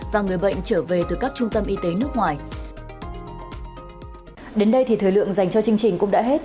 và người bệnh trở về từ các trung tâm y tế nước ngoài